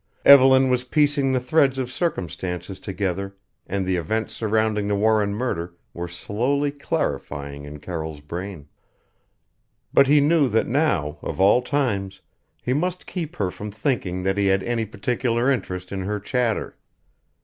Evelyn was piecing the threads of circumstances together and the events surrounding the Warren murder were slowly clarifying in Carroll's brain. But he knew that now, of all times, he must keep her from thinking that he had any particular interest in her chatter.